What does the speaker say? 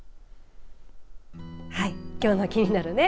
きょうのキニナル！ね。